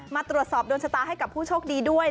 มาตรวจสอบดวงชะตาให้กับผู้โชคดีด้วย